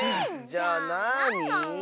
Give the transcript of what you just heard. じゃあなに？